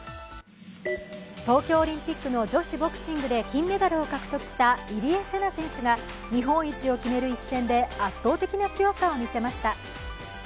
東京オリンピックの女子ボクシングで金メダルを獲得した入江聖奈選手が日本一を決める一戦で圧倒的な強さを見せました。